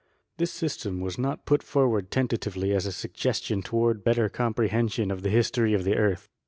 This system was not put forward tentatively as a sug gestion toward a better comprehension of the history of the earth.